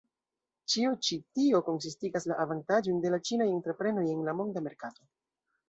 Ĉio ĉi tio konsistigas la avantaĝojn de la ĉinaj entreprenoj en la monda merkato.